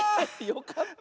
よかった！